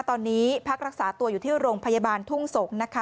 ตอนนี้พักรักษาตัวอยู่ที่โรงพยาบาลทุ่งสงศ์นะคะ